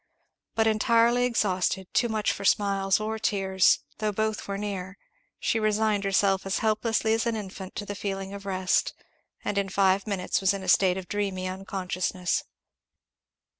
But entirely exhausted, too much for smiles or tears, though both were near, she resigned herself as helplessly as an infant to the feeling of rest; and in five minutes was in a state of dreamy unconsciousness.